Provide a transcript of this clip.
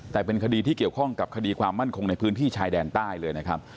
แต่เป็นคดีที่เกี่ยวข้องกับคดีความมั่นคงในพื้นที่ชายแดนใต้เลยนะครับ